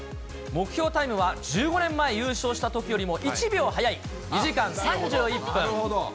目標タイムは１５年前優勝したときよりも１秒速い、２時間３１分。